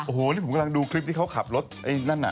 โอ้โหนี่ผมกำลังดูคลิปที่เขาขับรถไอ้นั่นน่ะ